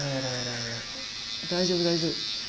大丈夫大丈夫。